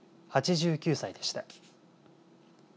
８９歳でした。